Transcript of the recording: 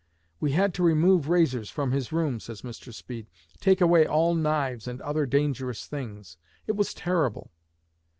"We had to remove razors from his room," says Mr. Speed, "take away all knives, and other dangerous things. It was terrible."